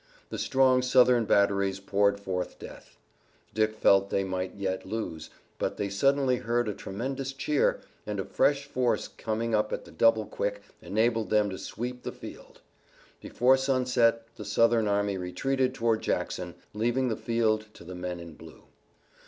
The strong Southern batteries poured forth death. Dick felt that they might yet lose, but they suddenly heard a tremendous cheer, and a fresh force coming up at the double quick enabled them to sweep the field. Before sunset the Southern army retreated toward Jackson, leaving the field to the men in blue.